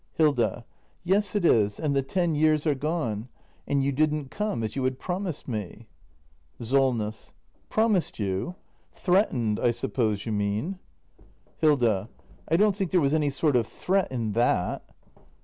Hilda. Yes, it is; and the ten years are gone. And you didn't come — as you had promised me. SOLNESS. Promised you ? Threatened, I suppose you mean ? Hilda. I don't think there was any sort of threat in that.